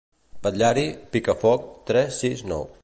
Patllari, pica foc, tres, sis, nou.